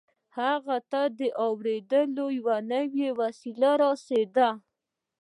هغه ته د اورېدلو يوه نوې وسيله را ورسېده.